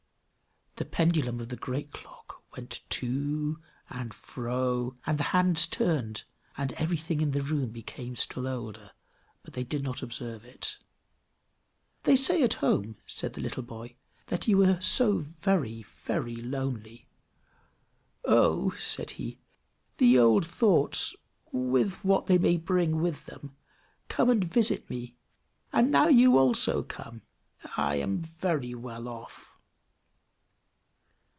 The pendulum of the great clock went to and fro, and the hands turned, and everything in the room became still older; but they did not observe it. "They say at home," said the little boy, "that you are so very, very lonely!" "Oh!" said he. "The old thoughts, with what they may bring with them, come and visit me, and now you also come! I am very well off!"